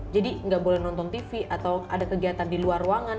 jadi nggak boleh nonton tv atau ada kegiatan di luar ruangan